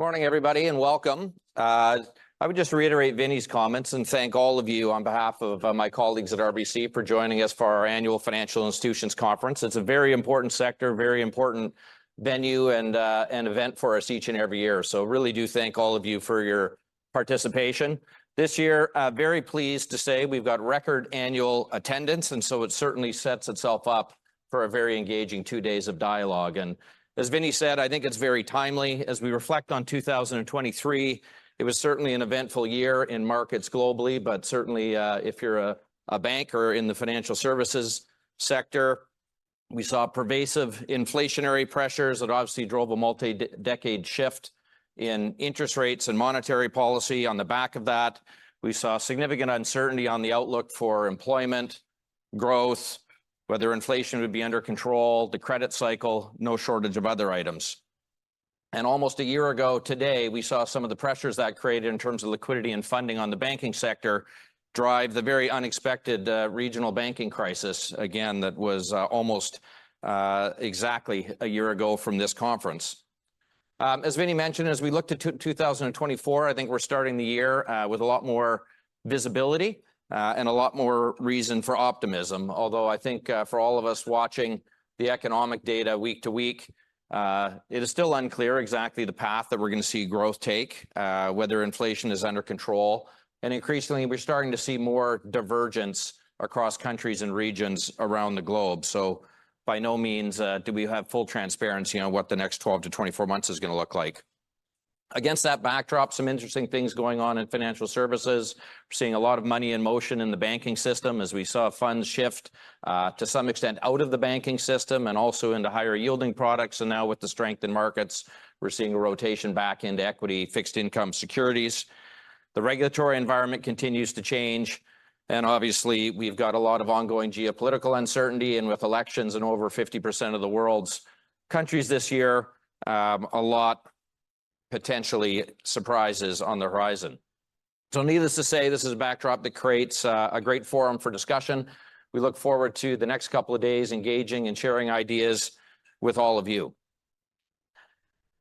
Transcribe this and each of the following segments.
Morning, everybody, and welcome. I would just reiterate Vinny's comments and thank all of you on behalf of my colleagues at RBC for joining us for our annual Financial Institutions Conference. It's a very important sector, very important venue, and event for us each and every year. So I really do thank all of you for your participation. This year, very pleased to say we've got record annual attendance, and so it certainly sets itself up for a very engaging two days of dialogue. And as Vinny said, I think it's very timely. As we reflect on 2023, it was certainly an eventful year in markets globally, but certainly, if you're a banker in the financial services sector, we saw pervasive inflationary pressures that obviously drove a multi-decade shift in interest rates and monetary policy. On the back of that, we saw significant uncertainty on the outlook for employment, growth, whether inflation would be under control, the credit cycle, no shortage of other items. And almost a year ago today, we saw some of the pressures that created in terms of liquidity and funding on the banking sector drive the very unexpected, regional banking crisis, again, that was, almost, exactly a year ago from this conference. As Vinny mentioned, as we look to 2024, I think we're starting the year, with a lot more visibility, and a lot more reason for optimism. Although I think, for all of us watching the economic data week to week, it is still unclear exactly the path that we're going to see growth take, whether inflation is under control. And increasingly, we're starting to see more divergence across countries and regions around the globe. So by no means do we have full transparency, you know, what the next 12-24 months is going to look like. Against that backdrop, some interesting things going on in financial services. We're seeing a lot of money in motion in the banking system as we saw funds shift, to some extent out of the banking system and also into higher yielding products. And now with the strength in markets, we're seeing a rotation back into equity, fixed income securities. The regulatory environment continues to change. And obviously, we've got a lot of ongoing geopolitical uncertainty. And with elections in over 50% of the world's countries this year, a lot potentially surprises on the horizon. So needless to say, this is a backdrop that creates a great forum for discussion. We look forward to the next couple of days engaging and sharing ideas with all of you.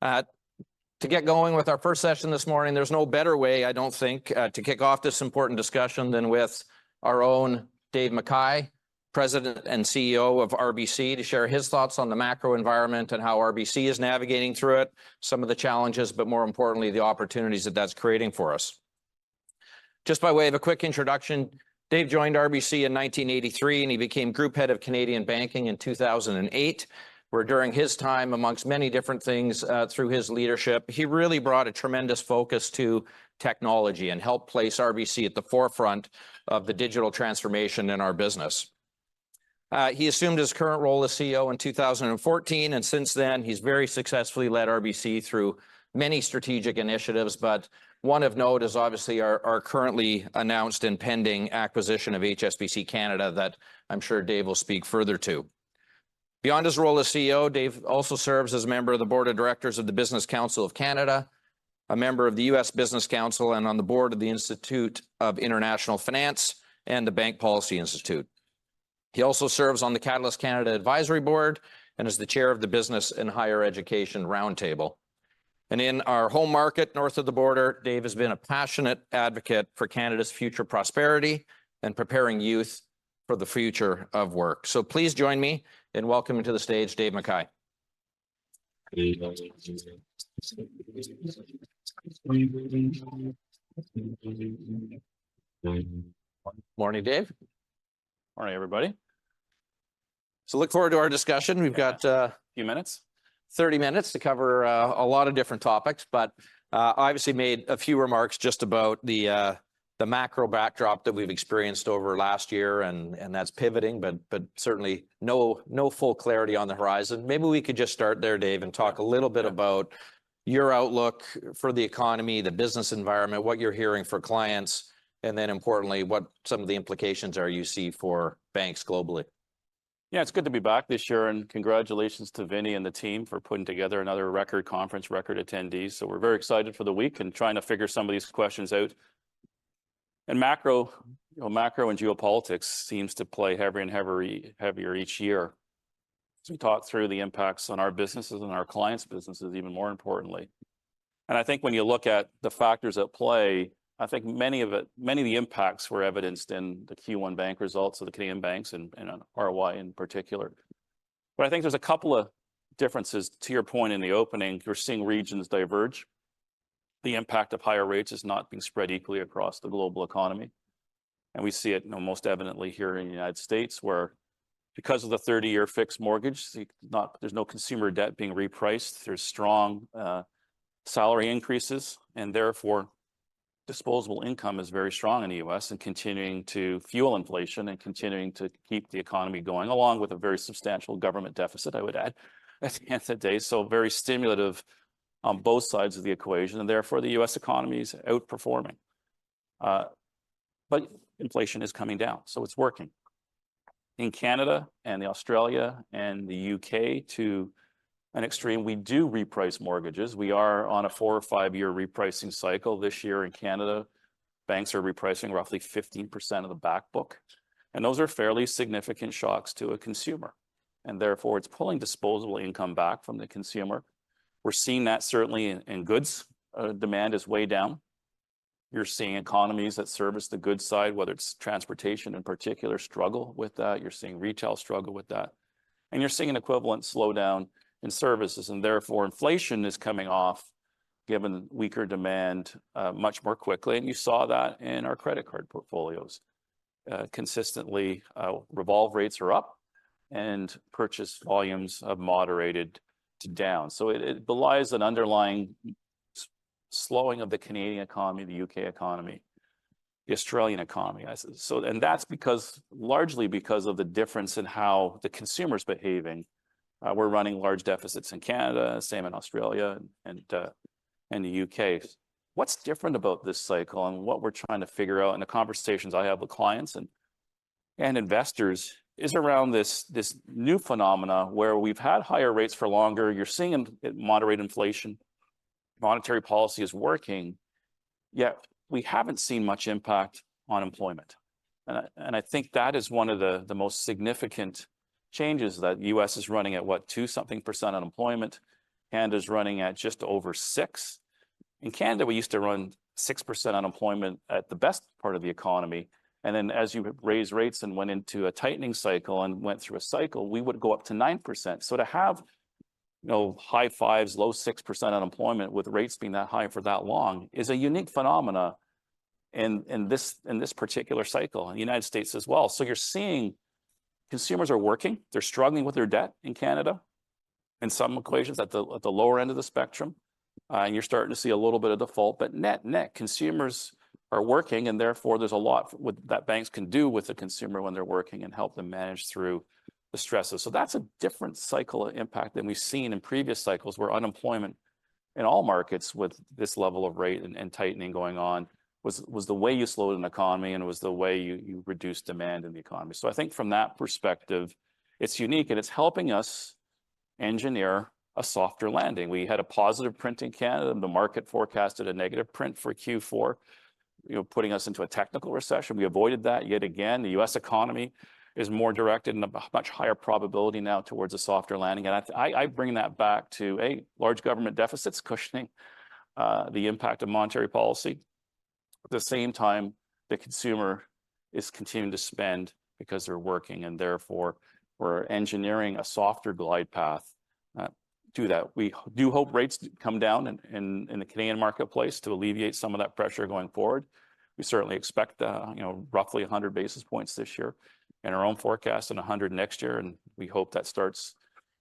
To get going with our first session this morning, there's no better way, I don't think, to kick off this important discussion than with our own Dave McKay, President and CEO of RBC, to share his thoughts on the macro environment and how RBC is navigating through it, some of the challenges, but more importantly, the opportunities that that's creating for us. Just by way of a quick introduction, Dave joined RBC in 1983, and he became Group Head of Canadian Banking in 2008, where during his time, among many different things, through his leadership, he really brought a tremendous focus to technology and helped place RBC at the forefront of the digital transformation in our business. He assumed his current role as CEO in 2014, and since then, he's very successfully led RBC through many strategic initiatives. But one of note is obviously our currently announced and pending acquisition of HSBC Bank Canada that I'm sure Dave will speak further to. Beyond his role as CEO, Dave also serves as a member of the Board of Directors of the Business Council of Canada, a member of the U.S. Business Council, and on the board of the Institute of International Finance and the Bank Policy Institute. He also serves on the Catalyst Canada Advisory Board and is the chair of the Business + Higher Education Roundtable. And in our home market north of the border, Dave has been a passionate advocate for Canada's future prosperity and preparing youth for the future of work. So please join me in welcoming to the stage Dave McKay. Morning, Dave. Morning, everybody. Look forward to our discussion. We've got a few minutes, 30 minutes to cover, a lot of different topics, but obviously made a few remarks just about the macro backdrop that we've experienced over last year, and that's pivoting. But certainly no full clarity on the horizon. Maybe we could just start there, Dave, and talk a little bit about your outlook for the economy, the business environment, what you're hearing for clients, and then importantly, what some of the implications are you see for banks globally. Yeah, it's good to be back this year, and congratulations to Vinny and the team for putting together another record conference, record attendees. So we're very excited for the week and trying to figure some of these questions out. And macro, you know, macro and geopolitics seems to play heavier and heavier each year as we talk through the impacts on our businesses and our clients' businesses, even more importantly. And I think when you look at the factors at play, I think many of it, many of the impacts were evidenced in the Q1 bank results of the Canadian banks and RBC in particular. But I think there's a couple of differences. To your point in the opening, we're seeing regions diverge. The impact of higher rates is not being spread equally across the global economy. We see it, you know, most evidently here in the United States, where, because of the 30-year fixed mortgage, note there's no consumer debt being repriced. There's strong salary increases, and therefore disposable income is very strong in the U.S. and continuing to fuel inflation and continuing to keep the economy going, along with a very substantial government deficit, I would add, at the end of the day. So very stimulative on both sides of the equation, and therefore the U.S. economy is outperforming. But inflation is coming down, so it's working. In Canada and Australia and the U.K. to an extreme. We do reprice mortgages. We are on a four or five year repricing cycle this year in Canada. Banks are repricing roughly 15% of the backbook. And those are fairly significant shocks to a consumer. And therefore it's pulling disposable income back from the consumer. We're seeing that certainly in goods demand is way down. You're seeing economies that service the goods side, whether it's transportation in particular, struggle with that. You're seeing retail struggle with that. And you're seeing an equivalent slowdown in services, and therefore inflation is coming off given weaker demand much more quickly. And you saw that in our credit card portfolios consistently, revolve rates are up. And purchase volumes have moderated to down. So it belies an underlying slowing of the Canadian economy, the U.K. economy, the Australian economy. So and that's because, largely because of the difference in how the consumer's behaving, we're running large deficits in Canada, same in Australia, and the U.K. What's different about this cycle and what we're trying to figure out in the conversations I have with clients and. And investors is around this new phenomena where we've had higher rates for longer. You're seeing it moderate inflation. Monetary policy is working. Yet we haven't seen much impact on employment. And I think that is one of the most significant changes that the U.S. is running at, what, two something percent unemployment. Canada's running at just over 6%. In Canada, we used to run 6% unemployment at the best part of the economy. And then, as you raise rates and went into a tightening cycle and went through a cycle, we would go up to 9%. So to have you know, high 5s, low 6% unemployment with rates being that high for that long is a unique phenomena. In this particular cycle, and the United States as well. So you're seeing consumers are working. They're struggling with their debt in Canada. In some equations at the lower end of the spectrum, and you're starting to see a little bit of default, but net-net consumers are working, and therefore there's a lot with that banks can do with the consumer when they're working and help them manage through the stresses. So that's a different cycle of impact than we've seen in previous cycles where unemployment in all markets, with this level of rate and tightening going on was the way you slowed an economy, and it was the way you reduced demand in the economy. So I think, from that perspective, it's unique, and it's helping us engineer a softer landing. We had a positive print in Canada. The market forecasted a negative print for Q4, you know, putting us into a technical recession. We avoided that yet again, the U.S. economy, is more directed in a much higher probability now towards a soft landing. And I bring that back to large government deficits cushioning the impact of monetary policy. At the same time, the consumer is continuing to spend because they're working, and therefore we're engineering a softer glide path. To do that, we do hope rates come down in the Canadian marketplace to alleviate some of that pressure going forward. We certainly expect, you know, roughly 100 basis points this year in our own forecast, and 100 next year, and we hope that starts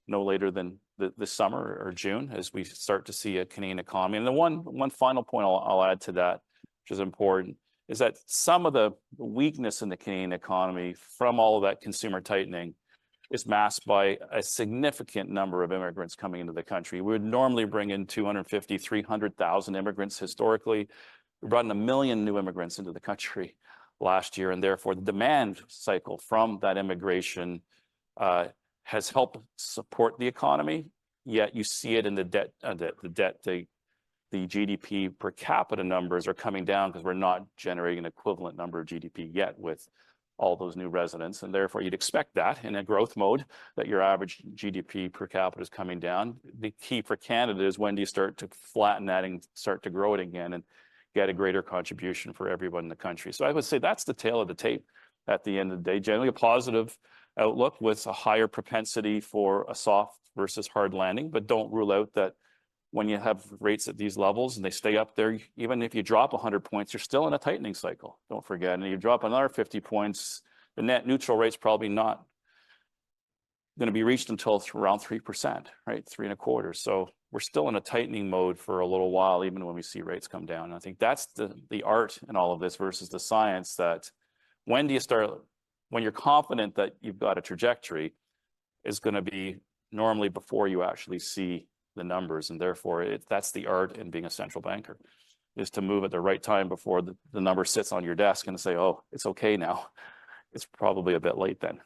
no later than this summer or June, as we start to see a Canadian economy. And the one final point I'll add to that, which is important, is that some of the weakness in the Canadian economy from all of that consumer tightening. Is masked by a significant number of immigrants coming into the country. We would normally bring in 250,000 immigrants historically. Run 1 million new immigrants into the country last year, and therefore the demand cycle from that immigration has helped support the economy. Yet you see it in the debt, the GDP per capita numbers are coming down, because we're not generating an equivalent number of GDP yet with all those new residents, and therefore you'd expect that in a growth mode that your average GDP per capita is coming down. The key for Canada is, when do you start to flatten that and start to grow it again, and get a greater contribution for everyone in the country. So I would say that's the tail of the tape. At the end of the day, generally a positive. Outlook with a higher propensity for a soft versus hard landing. But don't rule out that. When you have rates at these levels, and they stay up there, even if you drop 100 points, you're still in a tightening cycle. Don't forget, and you drop another 50 points. The neutral rate's probably not gonna be reached until around 3%, right? 3.25%. So we're still in a tightening mode for a little while, even when we see rates come down. And I think that's the art in all of this versus the science that when do you start. When you're confident that you've got a trajectory is gonna be normally before you actually see the numbers, and therefore that's the art in being a central banker. It's to move at the right time before the number sits on your desk and say, "Oh, it's okay now. It's probably a bit late, then.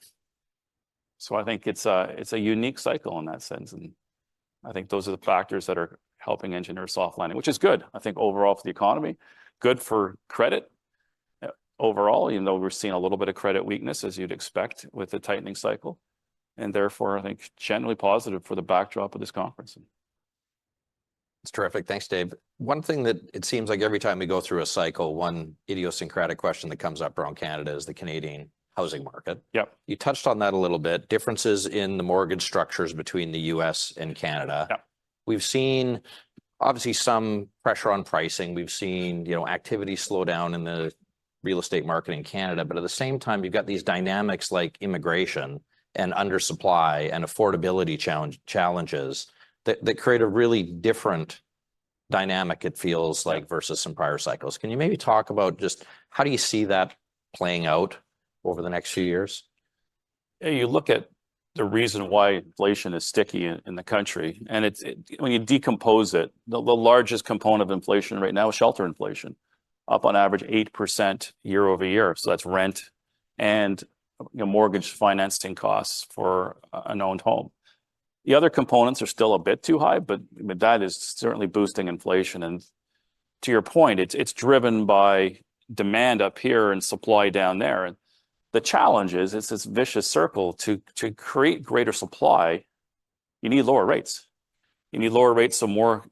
So I think it's a unique cycle in that sense. I think those are the factors that are helping engineer soft landing, which is good, I think, overall for the economy. Good for credit overall, even though we're seeing a little bit of credit weakness, as you'd expect with the tightening cycle. Therefore I think generally positive for the backdrop of this conference. It's terrific. Thanks, Dave. One thing that it seems like every time we go through a cycle, one idiosyncratic question that comes up around Canada is the Canadian housing market. Yep. You touched on that a little bit. Differences in the mortgage structures between the U.S. and Canada. Yeah. We've seen obviously some pressure on pricing. We've seen, you know, activity slow down in the real estate market in Canada. But at the same time, you've got these dynamics like immigration and undersupply and affordability challenges that that create a really different dynamic, it feels like, versus some prior cycles. Can you maybe talk about just how do you see that playing out over the next few years. Yeah, you look at. The reason why inflation is sticky in the country, and it's when you decompose it, the largest component of inflation right now is shelter inflation. Up on average, 8% year-over-year. So that's rent. You know, mortgage financing costs for an owned home. The other components are still a bit too high, but that is certainly boosting inflation. To your point, it's driven by demand up here and supply down there. The challenge is it's this vicious circle to create greater supply. You need lower rates. You need lower rates, so more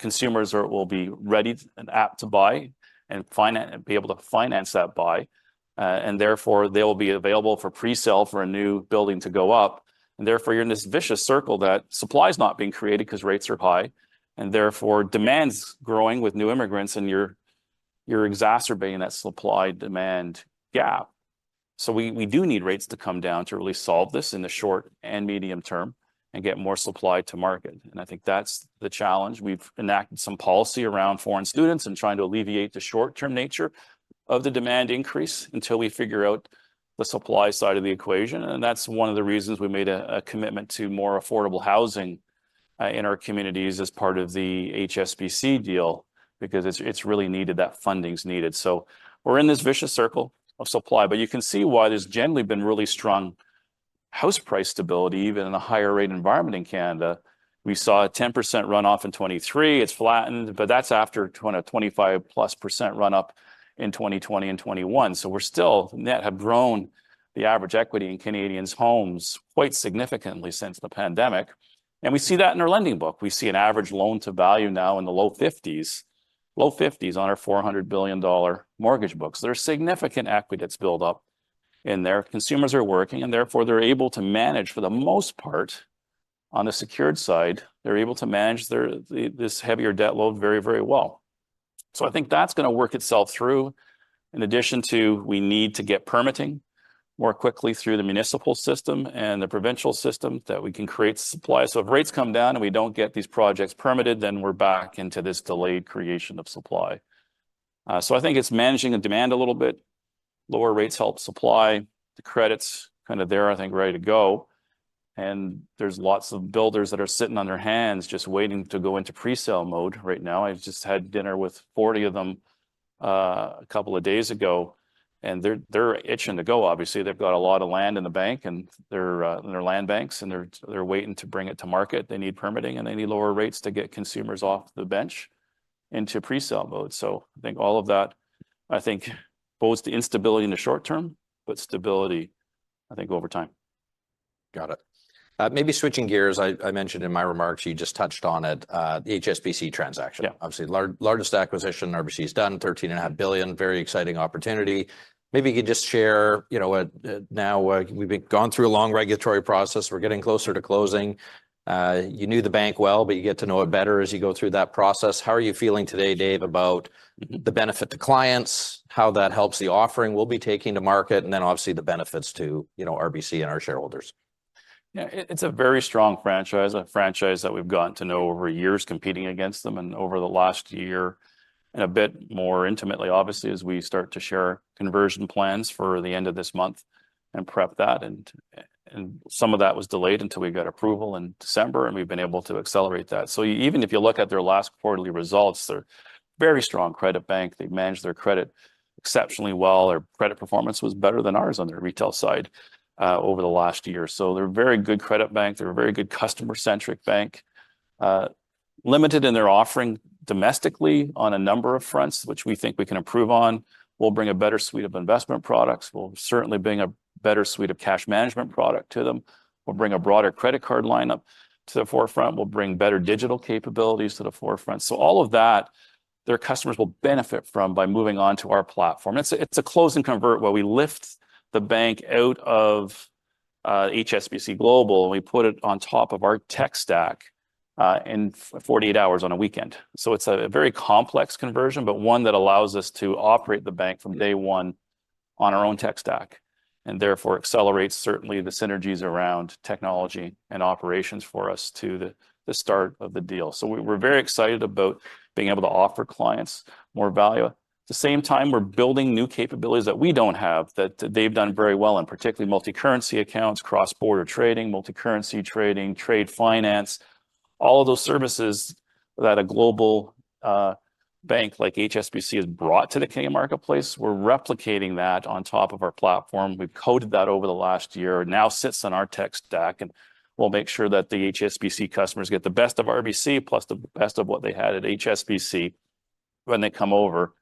consumers will be ready and apt to buy and finance and be able to finance that buy, and therefore they will be available for presale for a new building to go up. And therefore you're in this vicious circle that supply's not being created because rates are high. And therefore demand's growing with new immigrants, and you're exacerbating that supply demand gap. So we do need rates to come down to really solve this in the short and medium term. And get more supply to market. And I think that's the challenge. We've enacted some policy around foreign students and trying to alleviate the short term nature of the demand increase until we figure out the supply side of the equation, and that's one of the reasons we made a commitment to more affordable housing in our communities as part of the HSBC deal. Because it's really needed. That funding's needed. So we're in this vicious circle of supply. But you can see why there's generally been really strong. House price stability, even in a higher rate environment in Canada. We saw a 10% runoff in 2023. It's flattened, but that's after +20% to +25% runup in 2020 and 2021. So we're still net have grown. The average equity in Canadians' homes quite significantly since the pandemic. And we see that in our lending book. We see an average loan to value now in the low 50s. Low 50s on our 400 billion dollar mortgage book. There's significant equity that's built up in there. Consumers are working, and therefore they're able to manage for the most part on the secured side. They're able to manage their heavier debt load very, very well. So I think that's gonna work itself through. In addition, we need to get permitting more quickly through the municipal system and the provincial system so that we can create supply. So if rates come down, and we don't get these projects permitted, then we're back into this delayed creation of supply. So I think it's managing the demand a little bit. Lower rates help supply the credits kind of there, I think, ready to go. And there's lots of builders that are sitting on their hands, just waiting to go into presale mode right now. I just had dinner with 40 of them a couple of days ago. And they're itching to go. Obviously they've got a lot of land in the bank, and they're in their land banks, and they're waiting to bring it to market. They need permitting, and they need lower rates to get consumers off the bench into presale mode. So I think all of that. I think both the instability in the short term but stability. I think, over time. Got it. Maybe switching gears. I mentioned in my remarks. You just touched on it. The HSBC transaction. Yeah, obviously largest acquisition RBC's done, 13.5 billion. Very exciting opportunity. Maybe you could just share, you know, what now we've been through a long regulatory process. We're getting closer to closing. You knew the bank well, but you get to know it better as you go through that process. How are you feeling today, Dave, about the benefit to clients, how that helps the offering we'll be taking to market, and then, obviously, the benefits to, you know, RBC and our shareholders. Yeah, it's a very strong franchise, a franchise that we've gotten to know over years, competing against them, and over the last year and a bit more intimately, obviously, as we start to share conversion plans for the end of this month and prep that. Some of that was delayed until we got approval in December, and we've been able to accelerate that. So even if you look at their last quarterly results, they're a very strong credit bank. They manage their credit exceptionally well. Their credit performance was better than ours on their retail side over the last year. So they're a very good credit bank. They're a very good customer-centric bank, limited in their offering domestically on a number of fronts, which we think we can improve on. We'll bring a better suite of investment products. We'll certainly bring a better suite of cash management product to them. We'll bring a broader credit card lineup to the forefront. We'll bring better digital capabilities to the forefront. So all of that. Their customers will benefit from by moving on to our platform. It's a closing conversion where we lift the bank out of HSBC Global, and we put it on top of our tech stack in 48 hours on a weekend. So it's a very complex conversion, but one that allows us to operate the bank from day one on our own tech stack. And therefore accelerates, certainly, the synergies around technology and operations for us to the start of the deal. So we're very excited about being able to offer clients more value. At the same time, we're building new capabilities that we don't have that they've done very well, and particularly multicurrency accounts, cross-border trading, multicurrency trading, trade finance. All of those services that a global bank like HSBC is brought to the U.K. marketplace. We're replicating that on top of our platform. We've coded that over the last year, now sits on our tech stack, and we'll make sure that the HSBC customers get the best of RBC, plus the best of what they had at HSBC when they come over.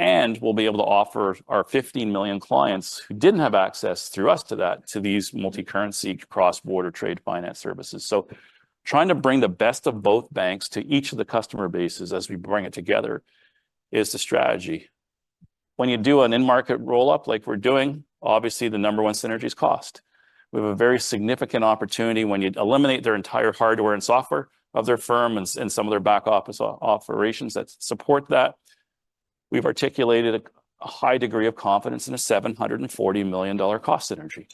And we'll be able to offer our 15 million clients who didn't have access through us to that to these multicurrency cross-border trade finance services. So, trying to bring the best of both banks to each of the customer bases as we bring it together is the strategy. When you do an in-market rollup like we're doing, obviously the number one synergy is cost. We have a very significant opportunity when you eliminate their entire hardware and software of their firm, and some of their back office operations that support that. We've articulated a high degree of confidence in a 740 million dollar cost synergy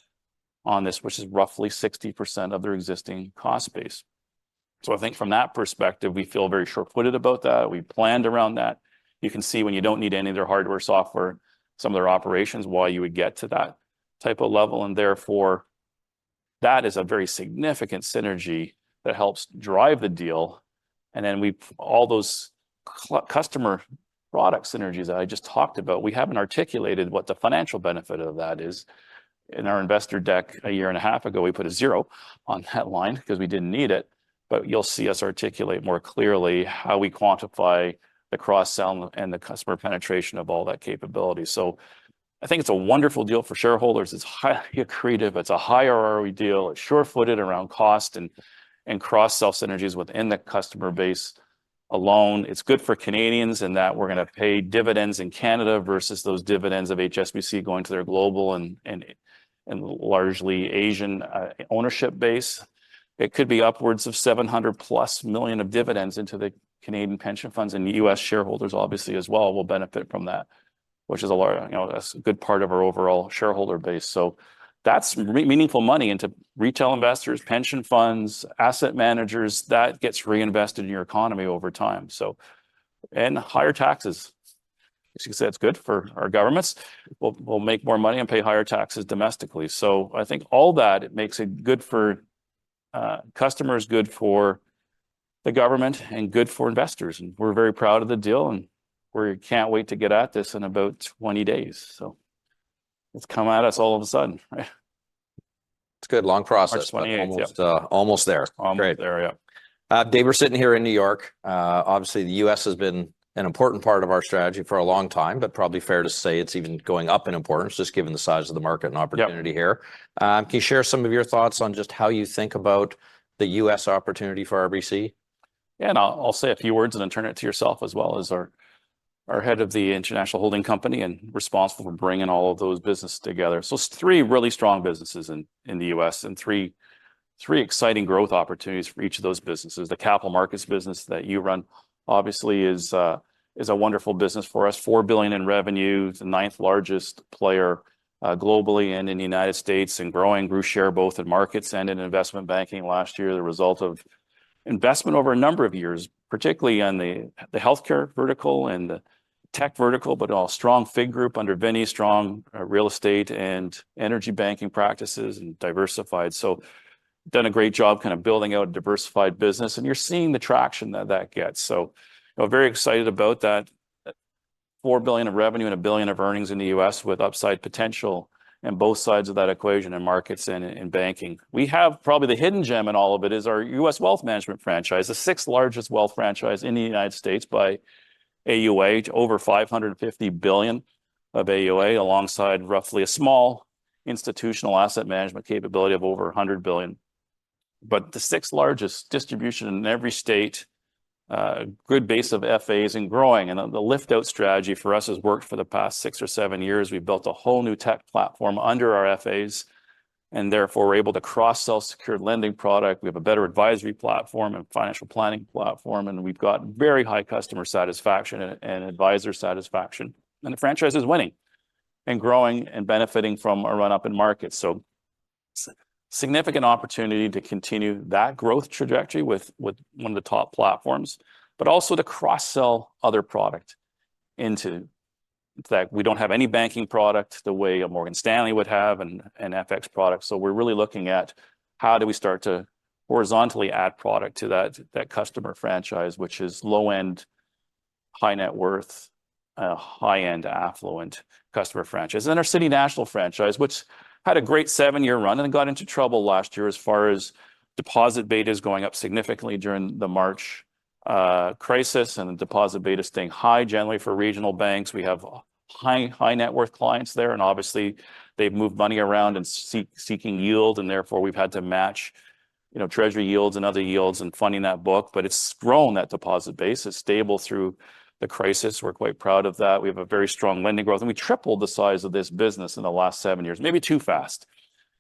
on this, which is roughly 60% of their existing cost base. So I think, from that perspective, we feel very well-footed about that. We planned around that. You can see when you don't need any of their hardware, software, some of their operations, why you would get to that type of level, and therefore that is a very significant synergy that helps drive the deal. And then we have all those customer product synergies that I just talked about. We haven't articulated what the financial benefit of that is. In our investor deck a year and a half ago, we put a 0 on that line because we didn't need it. But you'll see us articulate more clearly how we quantify the cross-sell and the customer penetration of all that capability. So, I think it's a wonderful deal for shareholders. It's highly creative. It's a higher deal. It's short-footed around cost and cross-sell synergies within the customer base alone. It's good for Canadians, in that we're gonna pay dividends in Canada versus those dividends of HSBC going to their global and largely Asian ownership base. It could be upwards of 700+ million of dividends into the Canadian pension funds and U.S. shareholders, obviously, as well will benefit from that. Which is a large, you know, that's a good part of our overall shareholder base. So that's meaningful money into retail investors, pension funds, asset managers that gets reinvested in your economy over time. And higher taxes. As you can see, it's good for our governments. We'll make more money and pay higher taxes domestically. So I think all that makes it good for customers, good for the government, and good for investors. And we're very proud of the deal, and we can't wait to get at this in about 20 days. It's come at us all of a sudden, right? It's good. Long process. Almost there. Great. Dave, we're sitting here in New York. Obviously, the U.S. has been an important part of our strategy for a long time, but probably fair to say it's even going up in importance, just given the size of the market and opportunity here. Can you share some of your thoughts on just how you think about the U.S. opportunity for RBC. Yeah, and I'll say a few words, and then turn it to yourself, as well as our head of the international holding company and responsible for bringing all of those businesses together. So it's three really strong businesses in the U.S., and three exciting growth opportunities for each of those businesses. The capital markets business that you run obviously is a wonderful business for us. 4 billion in revenue, the ninth largest player globally and in the United States, and grew share both in markets and in investment banking last year, the result of investment over a number of years, particularly on the healthcare vertical and the tech vertical, but all strong FIG group under Vinny, strong real estate and energy banking practices and diversified. So. Done a great job kind of building out a diversified business, and you're seeing the traction that that gets. So. You know, very excited about that. $4 billion of revenue and $1 billion of earnings in the U.S. with upside potential. And both sides of that equation in markets and in banking. We have probably the hidden gem in all of it is our U.S. wealth management franchise, the 6th largest wealth franchise in the United States by AUA. Over $550 billion of AUA, alongside roughly a small institutional asset management capability of over $100 billion. But the 6th largest distribution in every state. Good base of FAs and growing, and the lift out strategy for us has worked for the past six or seven years. We built a whole new tech platform under our FAs. And therefore we're able to cross-sell secured lending product. We have a better advisory platform and financial planning platform, and we've got very high customer satisfaction and and advisor satisfaction. The franchise is winning, growing and benefiting from a runup in market. Significant opportunity to continue that growth trajectory with with one of the top platforms, but also to cross-sell other product into. In fact, we don't have any banking product the way a Morgan Stanley would have, and and FX products. So we're really looking at how do we start to horizontally add product to that that customer franchise, which is low-end high-net-worth high-end affluent customer franchise, and our City National franchise, which had a great seven-year run, and then got into trouble last year, as far as deposit beta is going up significantly during the March crisis, and the deposit beta staying high generally for regional banks. We have high net worth clients there, and obviously. They've moved money around and seeking yield, and therefore we've had to match. You know, treasury yields and other yields and funding that book. But it's grown. That deposit base is stable through the crisis. We're quite proud of that. We have a very strong lending growth, and we tripled the size of this business in the last seven years, maybe too fast.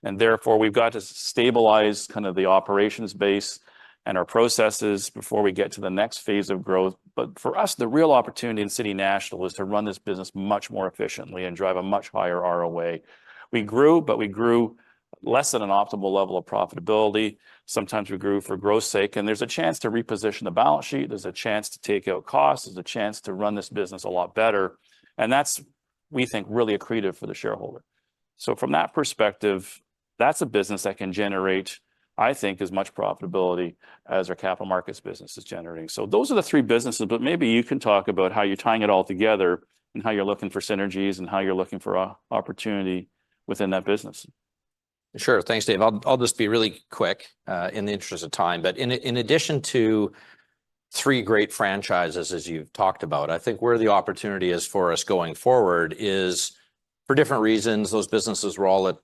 And therefore we've got to stabilize kind of the operations base. And our processes before we get to the next phase of growth. But for us, the real opportunity in City National is to run this business much more efficiently and drive a much higher ROE. We grew, but we grew less than an optimal level of profitability. Sometimes we grew for growth sake, and there's a chance to reposition the balance sheet. There's a chance to take out costs. There's a chance to run this business a lot better. And that's. We think really accretive for the shareholder. So from that perspective. That's a business that can generate. I think, as much profitability as our capital markets business is generating. So those are the three businesses. But maybe you can talk about how you're tying it all together, and how you're looking for synergies, and how you're looking for opportunity within that business. Sure. Thanks, Dave. I'll just be really quick, in the interest of time. But in addition to three great franchises, as you've talked about, I think where the opportunity is for us going forward is for different reasons. Those businesses were all at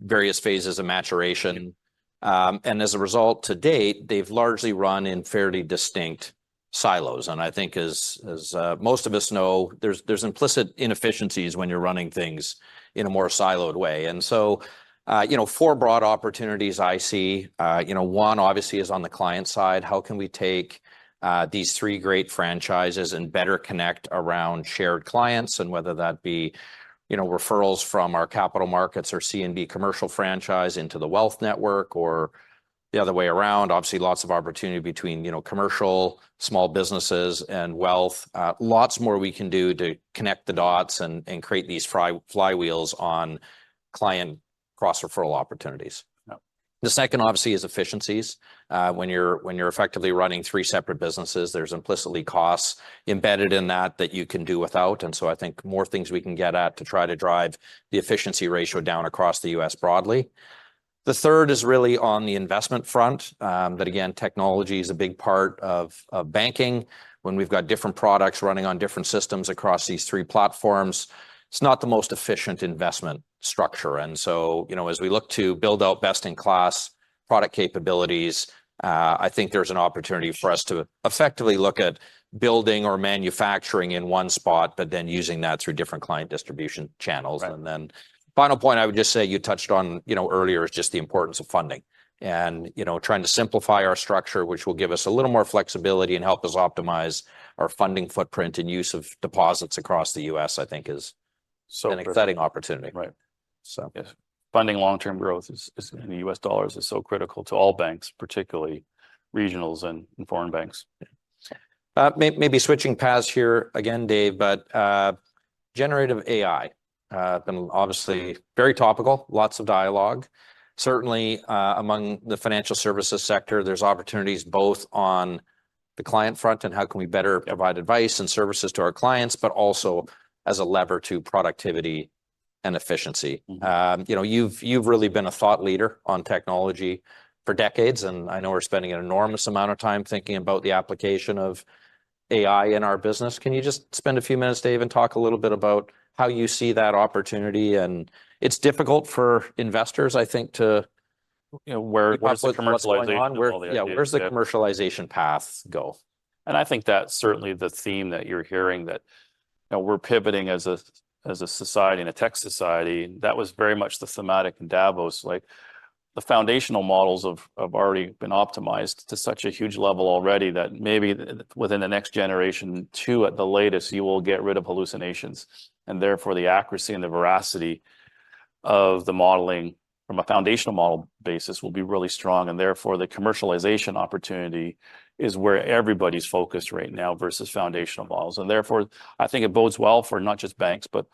various phases of maturation, and as a result to date, they've largely run in fairly distinct silos, and I think, as most of us know, there's implicit inefficiencies when you're running things in a more siloed way. And so, you know, four broad opportunities I see. You know, one obviously is on the client side. How can we take these three great franchises and better connect around shared clients, and whether that be you know, referrals from our Capital Markets or CNB commercial franchise into the wealth network, or the other way around. Obviously lots of opportunity between, you know, commercial small businesses and wealth. Lots more we can do to connect the dots and create these flywheels on client cross-referral opportunities. Yeah. The second obviously is efficiencies. When you're effectively running three separate businesses, there's implicitly costs embedded in that you can do without. And so I think more things we can get at to try to drive the efficiency ratio down across the U.S. broadly. The 3rd is really on the investment front. That again, technology is a big part of banking. When we've got different products running on different systems across these three platforms. It's not the most efficient investment structure. And so, you know, as we look to build out best in class product capabilities. I think there's an opportunity for us to effectively look at. Building or manufacturing in one spot, but then using that through different client distribution channels. Then, final point. I would just say you touched on, you know, earlier, is just the importance of funding. And you know, trying to simplify our structure, which will give us a little more flexibility and help us optimize our funding footprint and use of deposits across the U.S., I think, is so an exciting opportunity. Right. So. Yes. Funding long-term growth in U.S. dollars is so critical to all banks, particularly regionals and foreign banks. Maybe switching paths here again, Dave, but. Generative AI been obviously very topical. Lots of dialogue. Certainly among the financial services sector. There's opportunities both on the client front, and how can we better provide advice and services to our clients, but also as a lever to productivity and efficiency. You know, you've really been a thought leader on technology for decades, and I know we're spending an enormous amount of time thinking about the application of AI in our business. Can you just spend a few minutes, Dave, and talk a little bit about how you see that opportunity? And it's difficult for investors, I think, to you know where's the commercialization? Yeah, where's the commercialization path go? I think that certainly the theme that you're hearing. You know, we're pivoting as a society and a tech society. That was very much the thematic in Davos like. The foundational models have already been optimized to such a huge level already that maybe within the next generation, two at the latest you will get rid of hallucinations. And therefore the accuracy and the veracity of the modeling from a Foundational Model basis will be really strong, and therefore the commercialization opportunity is where everybody's focused right now versus foundational models, and therefore I think it bodes well for not just banks, but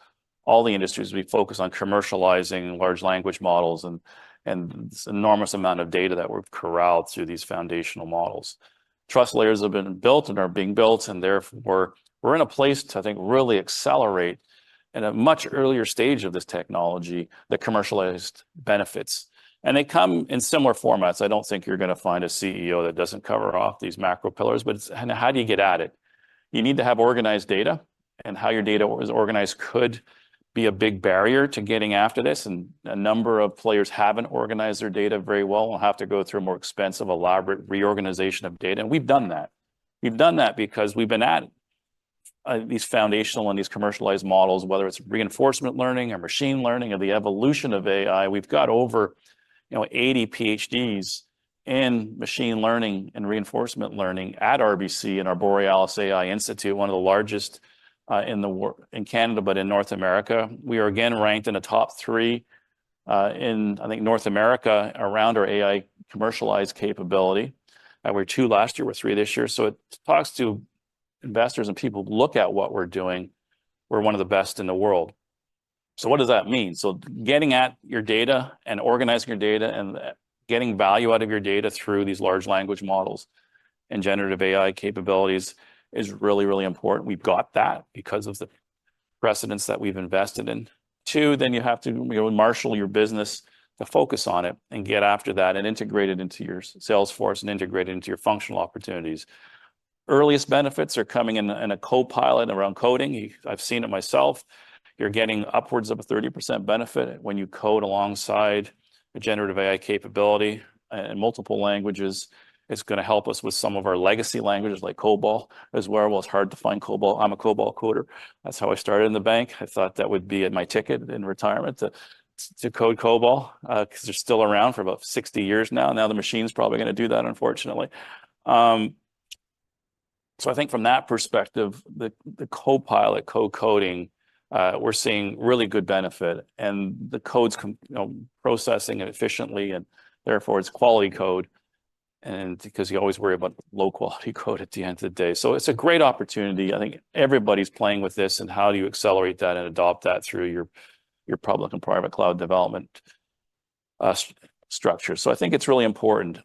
all the industries we focus on commercializing large language models, and it's an enormous amount of data that we've corralled through these foundational models. Trust layers have been built and are being built, and therefore we're in a place to, I think, really accelerate. In a much earlier stage of this technology that commercialized benefits. They come in similar formats. I don't think you're gonna find a CEO that doesn't cover off these macro pillars, but it's and how do you get at it. You need to have organized data. How your data is organized could be a big barrier to getting after this, and a number of players haven't organized their data very well. We'll have to go through a more expensive, elaborate reorganization of data, and we've done that. We've done that because we've been at these foundational and these commercialized models, whether it's reinforcement learning or machine learning or the evolution of AI. We've got over, you know, 80 PhDs. In machine learning and reinforcement learning at RBC and our Borealis AI Institute, one of the largest in the world in Canada, but in North America. We are again ranked in the top three in, I think, North America around our AI commercialized capability. We're two last year. We're three this year. So it talks to investors and people look at what we're doing. We're one of the best in the world. So what does that mean? So getting at your data and organizing your data and getting value out of your data through these large language models and generative AI capabilities is really, really important. We've got that because of the precedents that we've invested in to. Then you have to, you know, marshal your business to focus on it and get after that and integrate it into your salesforce and integrate it into your functional opportunities. Earliest benefits are coming in a Copilot around coding. I've seen it myself. You're getting upwards of a 30% benefit when you code alongside a generative AI capability and multiple languages. It's gonna help us with some of our legacy languages like COBOL as well. Well, it's hard to find COBOL. I'm a COBOL coder. That's how I started in the bank. I thought that would be my ticket to retirement. To code COBOL, because they're still around for about 60 years now. Now the machine's probably gonna do that, unfortunately. So I think, from that perspective, the Copilot co-coding. We're seeing really good benefit, and the codes come, you know, processing it efficiently, and therefore it's quality code. And because you always worry about low quality code at the end of the day. So it's a great opportunity. I think everybody's playing with this, and how do you accelerate that and adopt that through your public and private cloud development structure. So I think it's really important.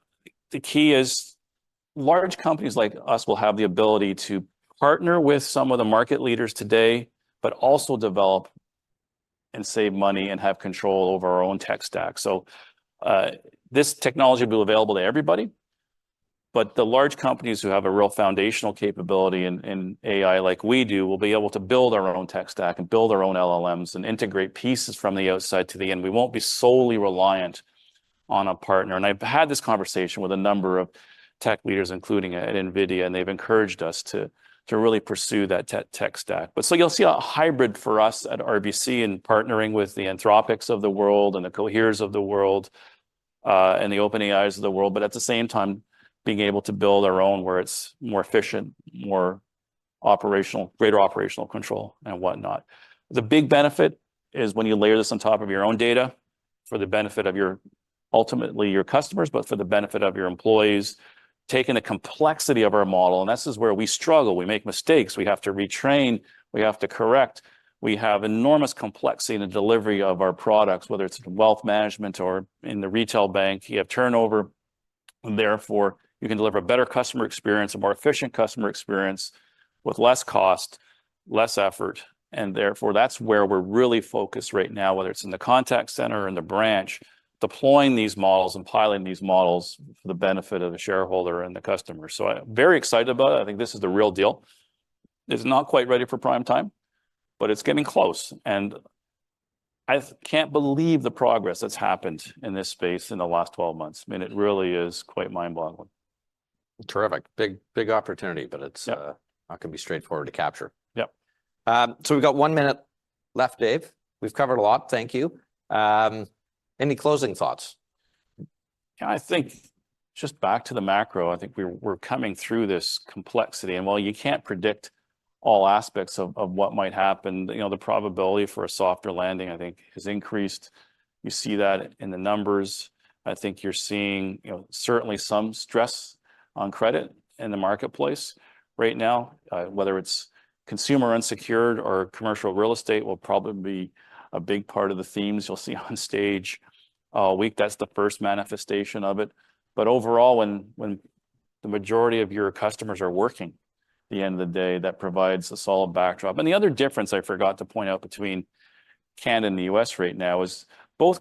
The key is large companies like us will have the ability to partner with some of the market leaders today, but also develop and save money and have control over our own tech stack. So this technology will be available to everybody. But the large companies who have a real foundational capability in AI, like we do, will be able to build our own tech stack and build our own LLMs and integrate pieces from the outside to the end. We won't be solely reliant on a partner, and I've had this conversation with a number of tech leaders, including at NVIDIA, and they've encouraged us to really pursue that tech stack. But so you'll see a hybrid for us at RBC and partnering with the Anthropics of the world and the Coheres of the world and the OpenAIs of the world, but at the same time being able to build our own where it's more efficient, more operational, greater operational control, and whatnot. The big benefit is when you layer this on top of your own data for the benefit of your ultimately your customers, but for the benefit of your employees. Taking the complexity of our model, and this is where we struggle. We make mistakes. We have to retrain. We have to correct. We have enormous complexity in the delivery of our products, whether it's in wealth management or in the retail bank. You have turnover. And therefore you can deliver a better customer experience and more efficient customer experience with less cost. Less effort, and therefore that's where we're really focused right now, whether it's in the contact center or in the branch. Deploying these models and piloting these models for the benefit of the shareholder and the customer. So I very excited about it. I think this is the real deal. It's not quite ready for prime time. But it's getting close, and I can't believe the progress that's happened in this space in the last 12 months. I mean, it really is quite mind-boggling. Terrific big big opportunity, but it's not gonna be straightforward to capture. Yep. So we've got one minute left, Dave. We've covered a lot. Thank you. Any closing thoughts. Yeah, I think just back to the macro. I think we're coming through this complexity, and while you can't predict all aspects of what might happen, you know, the probability for a softer landing, I think, has increased. You see that in the numbers. I think you're seeing, you know, certainly some stress on credit in the marketplace right now, whether it's consumer unsecured or commercial real estate will probably be a big part of the themes you'll see on stage all week. That's the first manifestation of it. But overall, when the majority of your customers are working, at the end of the day that provides a solid backdrop. And the other difference I forgot to point out between Canada and the U.S. right now is both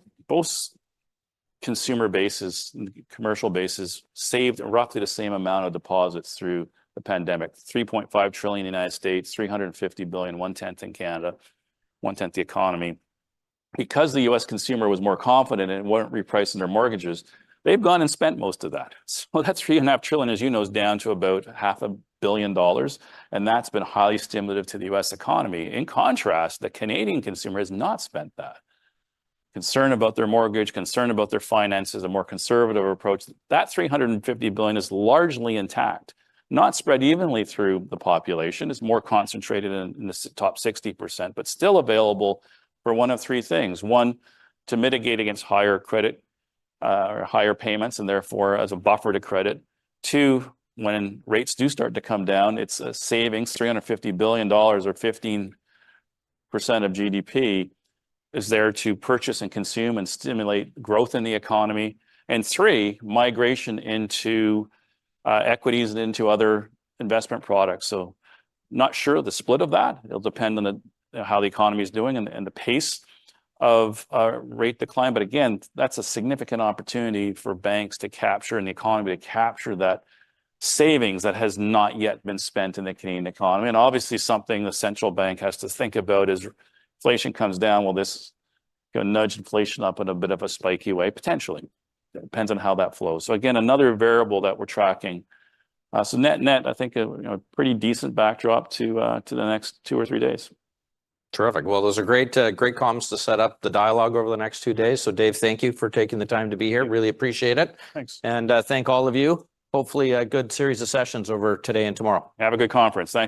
consumer bases and commercial bases saved roughly the same amount of deposits through the pandemic. $3.5 trillion in the United States, 350 billion, 1/10 in Canada. 1/10 the economy. Because the U.S. consumer was more confident and it wasn't repricing their mortgages. They've gone and spent most of that. So that's $3.5 trillion, as you know, is down to about $0.5 billion, and that's been highly stimulative to the U.S. economy. In contrast, the Canadian consumer has not spent that. Concern about their mortgage, concern about their finances, a more conservative approach. That 350 billion is largely intact. Not spread evenly through the population. It's more concentrated in the top 60%, but still available. For one of three things. One, to mitigate against higher credit or higher payments, and therefore as a buffer to credit. Two, when rates do start to come down, it's a savings. 350 billion dollars, or 15% of GDP. Is there to purchase and consume and stimulate growth in the economy, and three, migration into equities and into other investment products. So, not sure the split of that. It'll depend on how the economy's doing and the pace of a rate decline. But again, that's a significant opportunity for banks to capture in the economy, to capture that savings that has not yet been spent in the Canadian economy, and obviously something the central bank has to think about is inflation comes down. Well, this gonna nudge inflation up in a bit of a spiky way, potentially. Depends on how that flows. So again, another variable that we're tracking. So net net, I think, you know, a pretty decent backdrop to the next two or three days. Terrific. Well, those are great great comms to set up the dialogue over the next two days. So, Dave, thank you for taking the time to be here. Really appreciate it. Thanks. Thank all of you. Hopefully a good series of sessions over today and tomorrow. Have a good conference. Thanks.